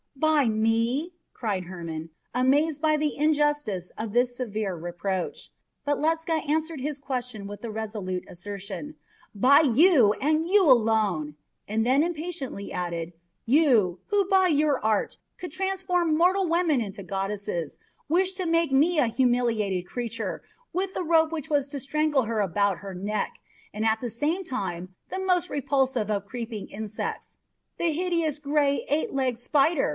"By me?" cried Hermon, amazed by the injustice of this severe reproach; but Ledscha answered his question with the resolute assertion, "By you and you alone!" and then impatiently added: "You, who, by your art, could transform mortal women into goddesses, wished to make me a humiliated creature, with the rope which was to strangle her about her neck, and at the same time the most repulsive of creeping insects. 'The hideous, gray, eight legged spider!